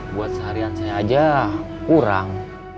buat seharian saya aja kurang